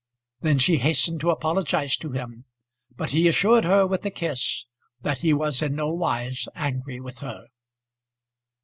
Then she hastened to apologise to him, but he assured her with a kiss that he was in nowise angry with her.